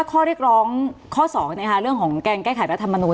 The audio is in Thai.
ถ้าข้อเรียกร้องข้อสองในเรื่องของแกล้งแก้ไขรัฐมนุษย์